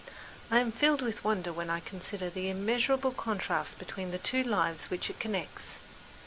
I am filled with wonder when I consider the immeasurable contrasts between the two lives which it connects.